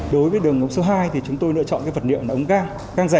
đối với đường ống số hai thì chúng tôi lựa chọn cái vật liệu là ống gan gan rẻ